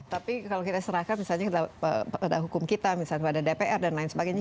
tapi kalau kita serahkan misalnya pada hukum kita misalnya pada dpr dan lain sebagainya